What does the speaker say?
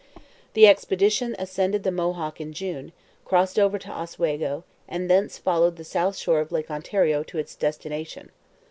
The expedition ascended the Mohawk in June, crossed over to Oswego, and thence followed the south shore of Lake Ontario to its destination.